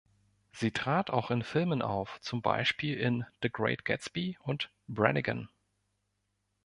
Sie trat auch in Filmen auf, zum Beispiel in „The Great Gatsby“ und „Brannigan“.